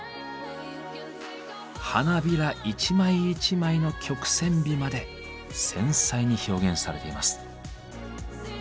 花びら一枚一枚の曲線美まで繊細に表現されています。